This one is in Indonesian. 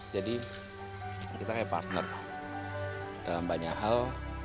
jadi kita kayak partner dalam banyak hal